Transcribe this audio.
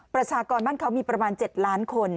ประชากรบ้านเขามีประมาณ๗ล้านคน